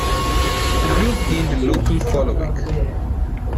The group gained a local following.